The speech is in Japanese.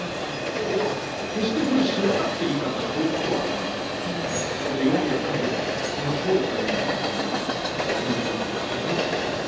だけど決してそれを知らなくていいかっていったらそういうことはないのでちょっと４夜かけてこの正体みたいなものを読み解いていきたいなと思ってます。